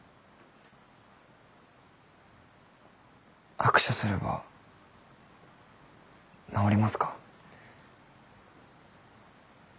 握手すれば治りますか？